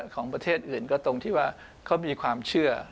ของประเทศอื่นก็ตรงที่ว่าเขามีความเชื่อ